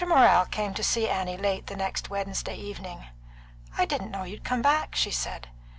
Morrell came to see Annie late the next Wednesday evening. "I didn't know you'd come back," she said.